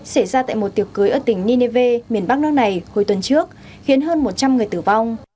xảy ra tại một tiệc cưới ở tỉnh nineve miền bắc nước này hồi tuần trước khiến hơn một trăm linh người tử vong